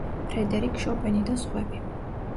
ფრედერიკ შოპენი და სხვები.